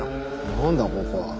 何だここは。